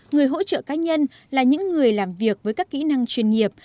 người hỗ trợ cá nhân là những người làm việc với các kỹ năng chuyên nghiệp